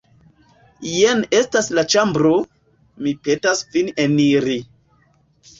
Jen estas la ĉambro; mi petas vin eniri.